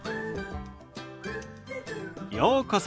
ようこそ。